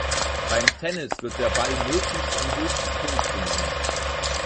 Beim Tennis wird der Ball möglichst am höchsten Punkt genommen.